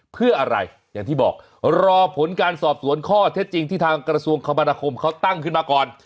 เพื่ออะไรอย่างที่บอกรอผลการสอบสวนข้อเท็จจริงที่ทางกระทรวงคมนาคมเขาตั้งขึ้นมาก่อน